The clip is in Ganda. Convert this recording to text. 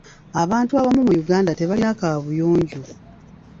Abantu abamu mu Uganda tebalina kaabuyonjo.